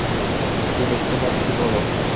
কি দেখতে পাচ্ছো বলো।